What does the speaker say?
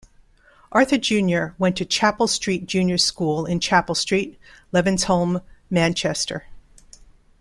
Arthur Junior went to Chapel Street Junior School in Chapel Street, Levenshulme, Manchester.